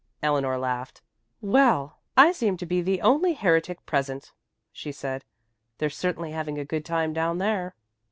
Eleanor laughed. "Well, I seem to be the only heretic present," she said. "They're certainly having a good time down there."